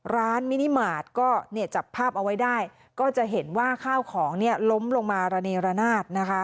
มินิมาตรก็จับภาพเอาไว้ได้ก็จะเห็นว่าข้าวของล้มลงมาระเนรนาศ